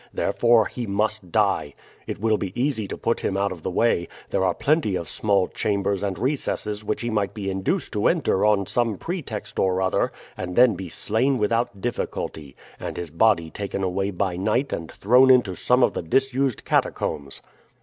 Therefore he must die. It will be easy to put him out of the way. There are plenty of small chambers and recesses which he might be induced to enter on some pretext or other, and then be slain without difficulty, and his body taken away by night and thrown into some of the disused catacombs.